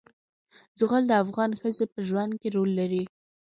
زغال د افغان ښځو په ژوند کې رول لري.